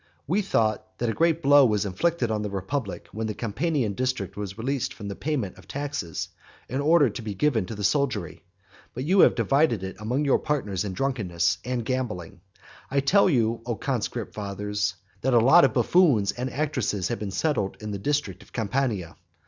We thought that a great blow was inflicted on the republic when the Campanian district was released from the payment of taxes, in order to be given to the soldiery; but you have divided it among your partners in drunkenness and gambling. I tell you, O conscript fathers, that a lot of buffoons and actresses have been settled in the district of Campania.